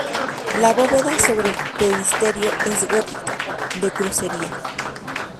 La bóveda sobre el presbiterio es gótica, de crucería.